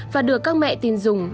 và được các mẹ tin dùng